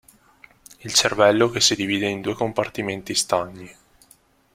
Il cervello che si divide in due compartimenti stagni.